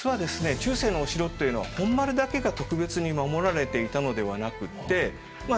中世のお城っていうのは本丸だけが特別に守られていたのではなくってまあ